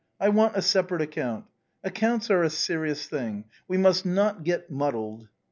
I want a separate account. Ac counts are a serious thing, we must not get muddled."